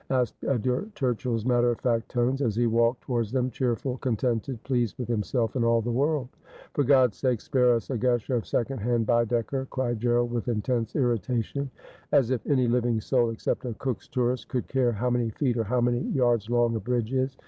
asked Edgar Turchill's matter of fact tones, as he walked towards them, cheerful, contented, pleased with himself and all the world. ' For God's sake spare us a gush of secondhand Baedeker,' cried Gerald with intense irritation. ' As if any living soul, except a Cook's tourist, could care how many feet or how many yards long a bridge is.